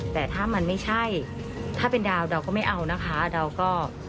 แต่ถ้ามันไม่ใช่ถ้าเป็นดาวเราก็ไม่เอานะคะเราก็